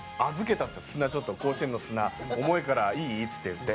「砂ちょっと甲子園の砂重いからいい？」っつって言って。